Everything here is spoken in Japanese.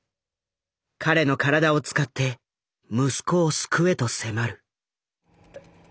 彼の体を使って息子を救えと迫る。